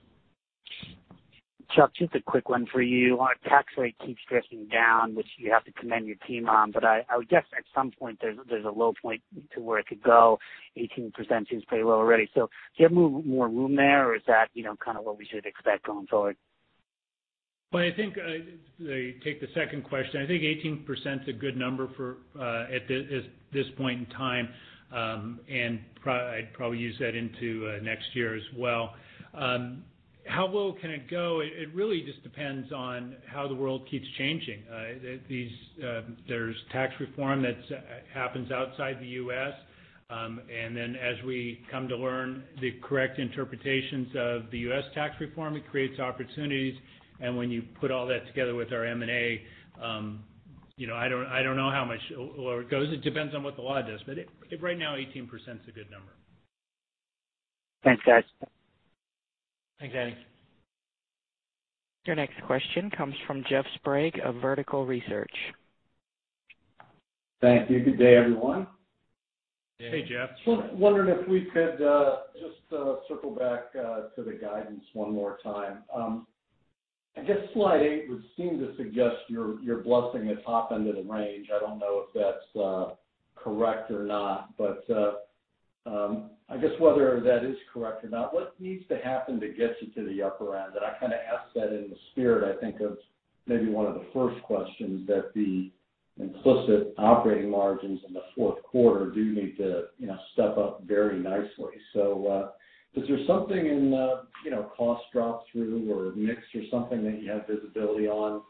Chuck, just a quick one for you. Tax rate keeps drifting down, which you have to commend your team on, I would guess at some point there's a low point to where it could go. 18% seems pretty low already. Do you have more room there or is that what we should expect going forward? Well, I take the second question. I think 18%'s a good number at this point in time, and I'd probably use that into next year as well. How low can it go? It really just depends on how the world keeps changing. There's tax reform that happens outside the U.S., then as we come to learn the correct interpretations of the U.S. tax reform, it creates opportunities. When you put all that together with our M&A, I don't know how much lower it goes. It depends on what the law does. Right now, 18%'s a good number. Thanks, guys. Thanks, Andy. Your next question comes from Jeff Sprague of Vertical Research. Thank you. Good day, everyone. Hey, Jeff. Wondering if we could just circle back to the guidance one more time. I guess slide eight would seem to suggest you're bluffing the top end of the range. I don't know if that's correct or not, but I guess whether that is correct or not, what needs to happen to get you to the upper end? I kind of ask that in the spirit, I think, of maybe one of the first questions, that the implicit operating margins in the fourth quarter do need to step up very nicely. Is there something in cost drop-through or mix or something that you have visibility on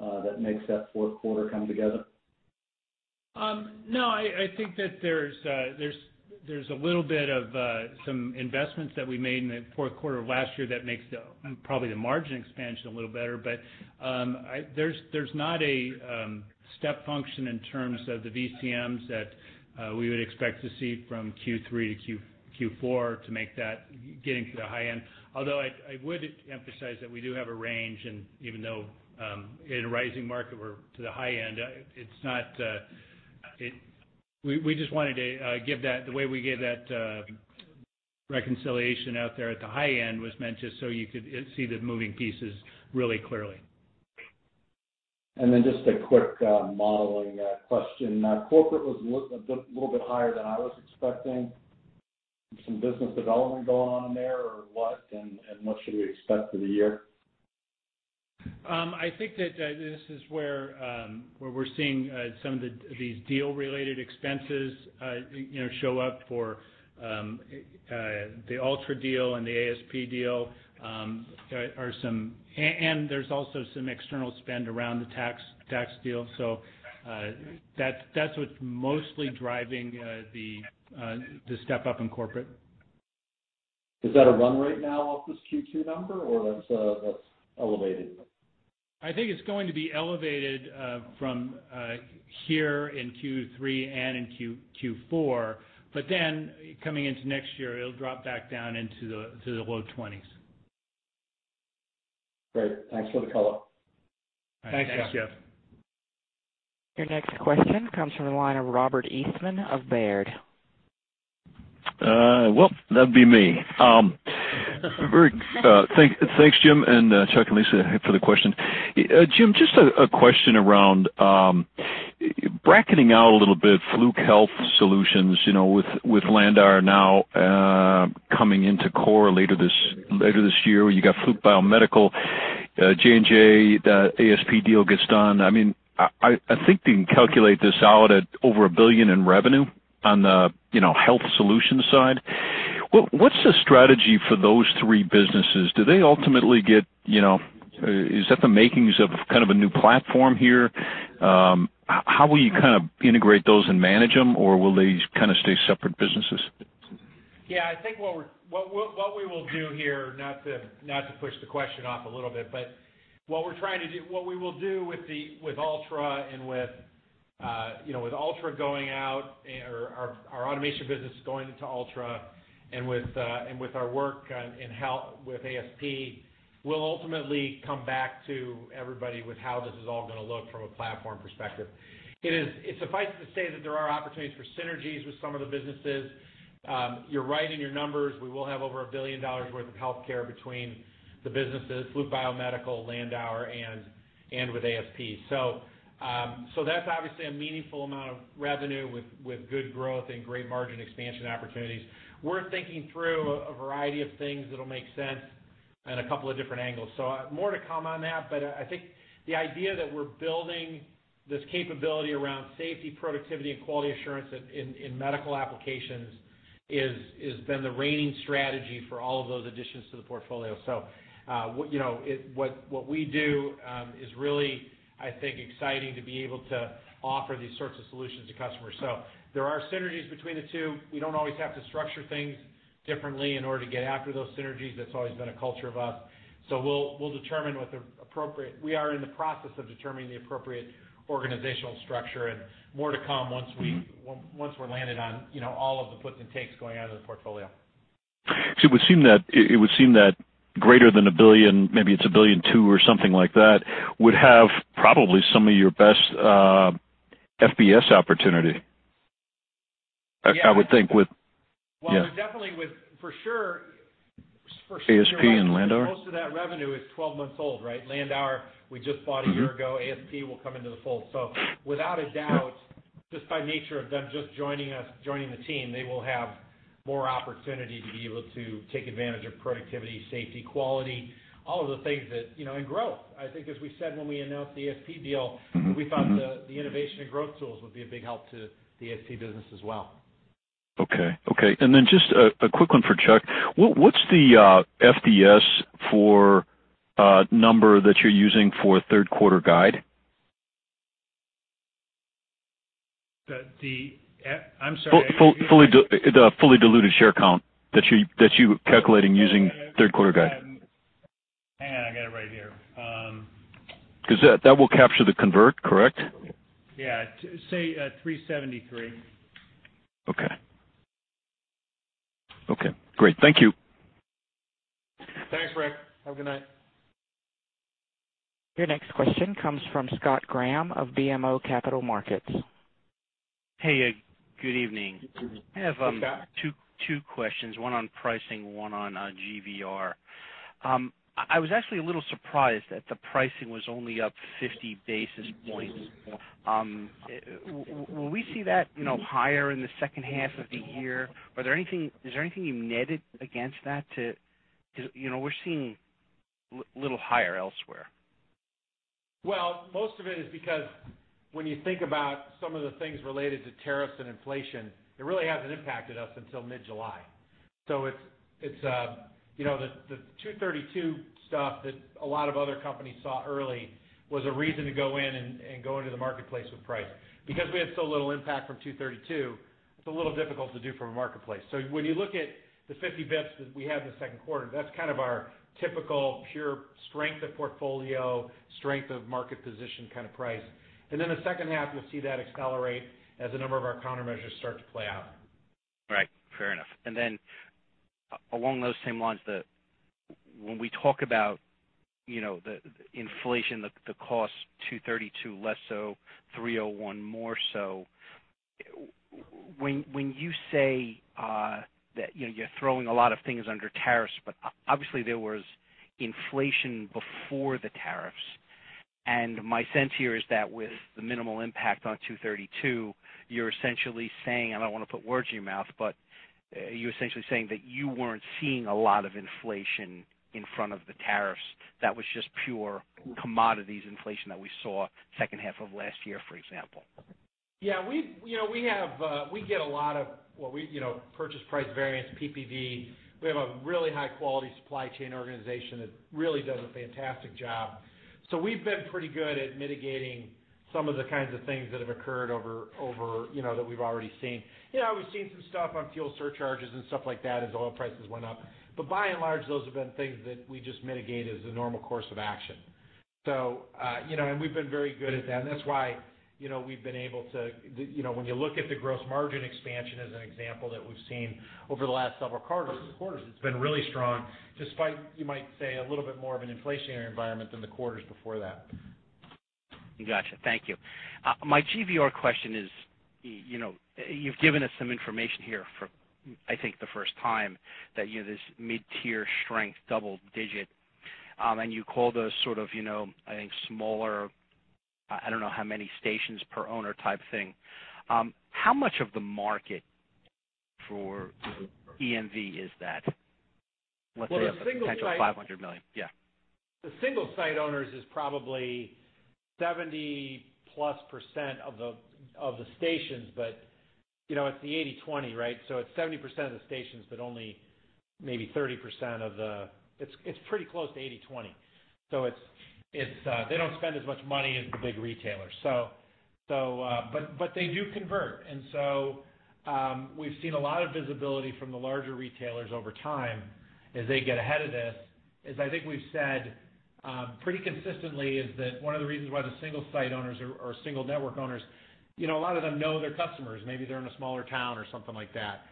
that makes that fourth quarter come together? I think that there's a little bit of some investments that we made in the fourth quarter of last year that makes probably the margin expansion a little better. There's not a step function in terms of the VCMs that we would expect to see from Q3 to Q4 to make that, getting to the high end. I would emphasize that we do have a range, and even though in a rising market, we're to the high end. The way we gave that reconciliation out there at the high end was meant just so you could see the moving pieces really clearly. Just a quick modeling question. Corporate was a little bit higher than I was expecting. Some business development going on in there or what, and what should we expect for the year? I think that this is where we're seeing some of these deal-related expenses show up for the Altra deal and the ASP deal, and there's also some external spend around the tax deal. That's what's mostly driving the step-up in corporate. Is that a run rate now off this Q2 number, or that's elevated? I think it's going to be elevated from here in Q3 and in Q4, coming into next year, it'll drop back down into the low 20s. Great. Thanks for the color. Thanks, Jeff. Your next question comes from the line of Richard Eastman of Baird. Well, that'd be me. Thanks, Jim, and Chuck and Lisa for the questions. Jim, just a question around bracketing out a little bit Fluke Health Solutions, with Landauer now coming into core later this year. You got Fluke Biomedical, J&J, the ASP deal gets done. I think we can calculate this out at over a billion in revenue on the health solutions side. What's the strategy for those three businesses? Do they ultimately get? Is that the makings of kind of a new platform here? How will you integrate those and manage them, or will they kind of stay separate businesses? I think what we will do here, not to push the question off a little bit, what we will do with Altra going out or our automation business going into Altra and with our work with ASP, we'll ultimately come back to everybody with how this is all going to look from a platform perspective. It suffice it to say that there are opportunities for synergies with some of the businesses. You're right in your numbers. We will have over $1 billion worth of healthcare between the businesses, Fluke Biomedical, Landauer, and with ASP. That's obviously a meaningful amount of revenue with good growth and great margin expansion opportunities. We're thinking through a variety of things that'll make sense and a couple of different angles. More to come on that, I think the idea that we're building this capability around safety, productivity, and quality assurance in medical applications has been the reigning strategy for all of those additions to the portfolio. What we do is really, I think, exciting to be able to offer these sorts of solutions to customers. There are synergies between the two. We don't always have to structure things differently in order to get after those synergies. That's always been a culture of us. We are in the process of determining the appropriate organizational structure and more to come once we're landed on all of the puts and takes going on in the portfolio. It would seem that greater than $1 billion, maybe it's $1.2 billion or something like that, would have probably some of your best FBS opportunity. Definitely for sure. ASP and Landauer? Most of that revenue is 12 months old, right? Landauer, we just bought a year ago. ASP will come into the fold. Without a doubt, just by nature of them just joining us, joining the team, they will have more opportunity to be able to take advantage of productivity, safety, quality. Growth. I think as we said when we announced the ASP deal, we thought the innovation and growth tools would be a big help to the ASP business as well. Okay. Then just a quick one for Chuck. What's the FDS for a number that you're using for third quarter guide? I'm sorry, I didn't get that. Fully diluted share count that you're calculating using third quarter guide. Hang on, I got it right here. Because that will capture the convert, correct? Yeah. Say, 373. Okay. Great. Thank you. Thanks, Rick. Have a good night. Your next question comes from Scott Graham of BMO Capital Markets. Hey, good evening. Hey, Scott. I have two questions, one on pricing, one on GVR. I was actually a little surprised that the pricing was only up 50 basis points. Will we see that higher in the second half of the year? Is there anything you netted against that to We're seeing little higher elsewhere. Most of it is because when you think about some of the things related to tariffs and inflation, it really hasn't impacted us until mid-July. The 232 stuff that a lot of other companies saw early was a reason to go in and go into the marketplace with price. We had so little impact from 232, it's a little difficult to do from a marketplace. When you look at the 50 basis points that we had in the second quarter, that's kind of our typical pure strength of portfolio, strength of market position kind of price. The second half, we'll see that accelerate as a number of our countermeasures start to play out. Right. Fair enough. Along those same lines, when we talk about the inflation, the cost 232 less so, 301 more so, when you say that you're throwing a lot of things under tariffs, obviously there was inflation before the tariffs. My sense here is that with the minimal impact on 232, you're essentially saying, I don't want to put words in your mouth, but you're essentially saying that you weren't seeing a lot of inflation in front of the tariffs. That was just pure commodities inflation that we saw second half of last year, for example. Yeah. We get a lot of purchase price variance, PPV. We have a really high-quality supply chain organization that really does a fantastic job. We've been pretty good at mitigating some of the kinds of things that have occurred over, that we've already seen. We've seen some stuff on fuel surcharges and stuff like that as oil prices went up. By and large, those have been things that we just mitigate as a normal course of action. We've been very good at that, and that's why we've been able to. When you look at the gross margin expansion as an example that we've seen over the last several quarters, it's been really strong, despite, you might say, a little bit more of an inflationary environment than the quarters before that. Got you. Thank you. My GVR question is, you've given us some information here for, I think, the first time that this mid-tier strength, double digit, and you called us sort of, I think smaller, I don't know how many stations per owner type thing. How much of the market for EMV is that? Let's say a potential $500 million. Yeah. The single site owners is probably 70-plus% of the stations, but it's the 80/20, right? It's 70% of the stations. It's pretty close to 80/20. They don't spend as much money as the big retailers. They do convert, and we've seen a lot of visibility from the larger retailers over time as they get ahead of this. I think we've said pretty consistently is that one of the reasons why the single site owners or single network owners, a lot of them know their customers. Maybe they're in a smaller town or something like that.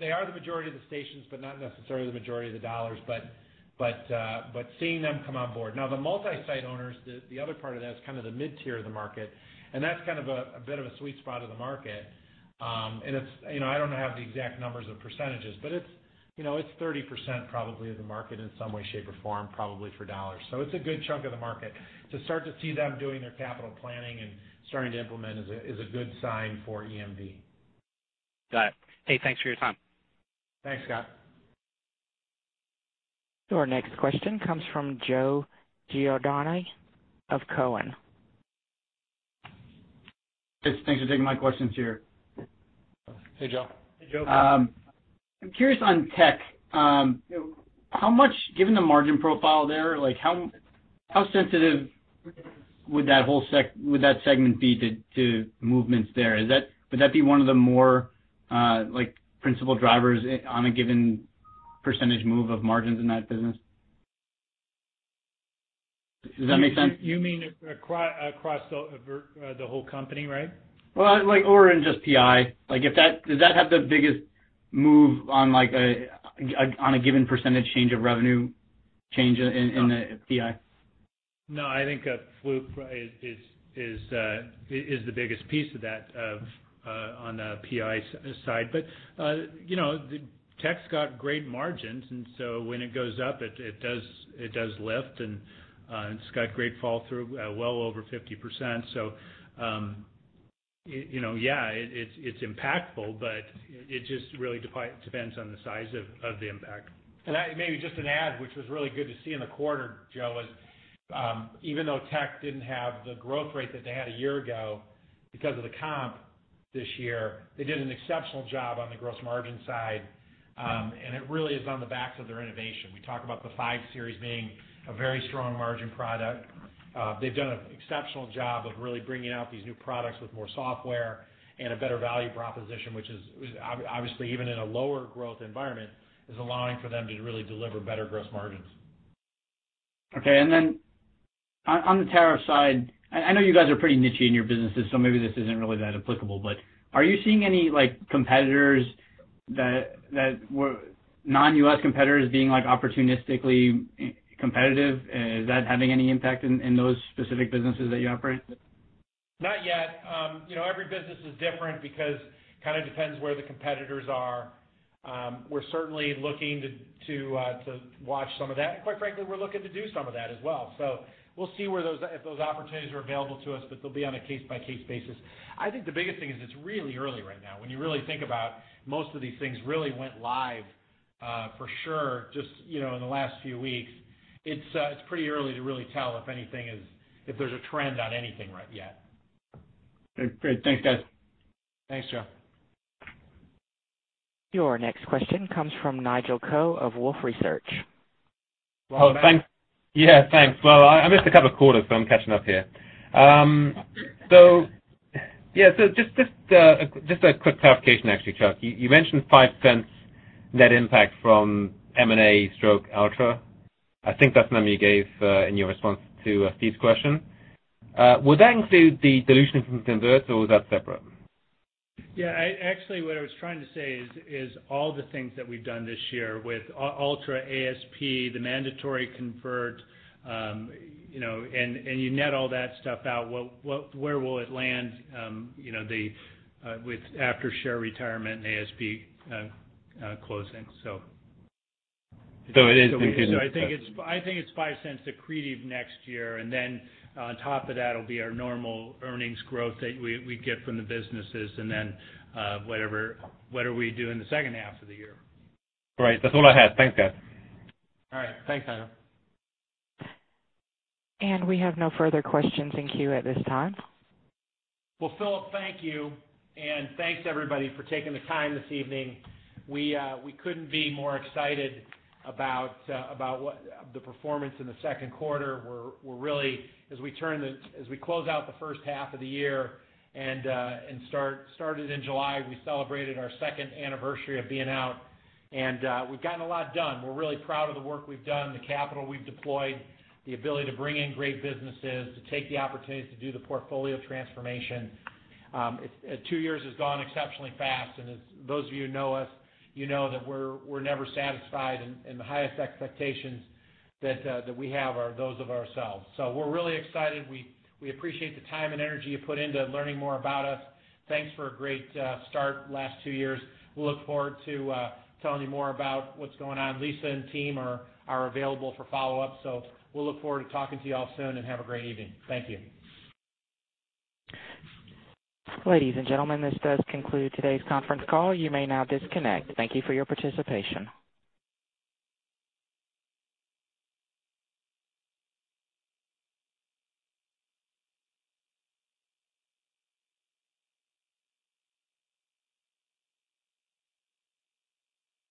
They are the majority of the stations, but not necessarily the majority of the dollars, but seeing them come on board. The multi-site owners, the other part of that is the mid-tier of the market, and that's a bit of a sweet spot of the market. I don't have the exact numbers of percentages, it's 30% probably of the market in some way, shape, or form, probably for dollars. It's a good chunk of the market. To start to see them doing their capital planning and starting to implement is a good sign for EMV. Got it. Hey, thanks for your time. Thanks, Scott. Your next question comes from Joseph Giordano of Cowen. Thanks for taking my questions here. Hey, Joe. Hey, Joe. I'm curious on Tek. Given the margin profile there, how sensitive would that segment be to movements there? Would that be one of the more principal drivers on a given % move of margins in that business? Does that make sense? You mean across the whole company, right? In just PI, does that have the biggest move on a given % change of revenue change in the PI? No, I think Fluke is the biggest piece of that on the PI side. Tech's got great margins, when it goes up, it does lift, and it's got great fall through, well over 50%. Yeah, it's impactful, but it just really depends on the size of the impact. Maybe just an add, which was really good to see in the quarter, Joe, was even though tech didn't have the growth rate that they had a year ago because of the comp this year, they did an exceptional job on the gross margin side. It really is on the backs of their innovation. We talk about the Five series being a very strong margin product. They've done an exceptional job of really bringing out these new products with more software and a better value proposition, which is obviously, even in a lower growth environment, is allowing for them to really deliver better gross margins. Okay, then on the tariff side, I know you guys are pretty niche-y in your businesses, so maybe this isn't really that applicable, but are you seeing any competitors that were non-U.S. competitors being opportunistically competitive? Is that having any impact in those specific businesses that you operate? Not yet. Every business is different because it kind of depends where the competitors are. We're certainly looking to watch some of that. Quite frankly, we're looking to do some of that as well. We'll see if those opportunities are available to us, but they'll be on a case-by-case basis. I think the biggest thing is it's really early right now. When you really think about it, most of these things really went live for sure, just in the last few weeks. It's pretty early to really tell if there's a trend on anything right yet. Okay, great. Thanks, guys. Thanks, Joe. Your next question comes from Nigel Coe of Wolfe Research. Thanks. Thanks. I missed a couple of quarters, so I'm catching up here. Just a quick clarification, actually, Chuck. You mentioned $0.05 net impact from M&A stroke Altra. I think that's the number you gave in your response to Steve's question. Would that include the dilution from convert or was that separate? Actually, what I was trying to say is all the things that we've done this year with Altra, ASP, the mandatory convert, and you net all that stuff out, where will it land after share retirement and ASP closing. It is included. I think it's $0.05 accretive next year, and then on top of that will be our normal earnings growth that we get from the businesses, and then whatever we do in the second half of the year. Right. That's all I had. Thanks, guys. All right. Thanks, Nigel. We have no further questions in queue at this time. Well, Philip, thank you, and thanks everybody for taking the time this evening. We couldn't be more excited about the performance in the second quarter. As we close out the first half of the year and started in July, we celebrated our second anniversary of being out, and we've gotten a lot done. We're really proud of the work we've done, the capital we've deployed, the ability to bring in great businesses, to take the opportunities to do the portfolio transformation. Two years has gone exceptionally fast, and as those of you who know us, you know that we're never satisfied, and the highest expectations that we have are those of ourselves. We're really excited. We appreciate the time and energy you put into learning more about us. Thanks for a great start the last two years. We'll look forward to telling you more about what's going on. Lisa and team are available for follow-up. We'll look forward to talking to you all soon, and have a great evening. Thank you. Ladies and gentlemen, this does conclude today's conference call. You may now disconnect. Thank you for your participation.